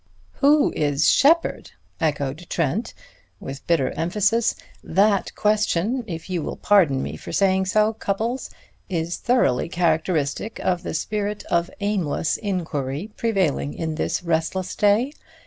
"Who is Sheppard?" echoed Trent with bitter emphasis. "That question, if you will pardon me for saying so, Cupples, is thoroughly characteristic of the spirit of aimless inquiry prevailing in this restless day.